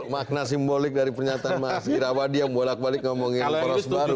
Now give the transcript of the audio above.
makna simbolik dari pernyataan mas irawadi yang bolak balik ngomongin poros baru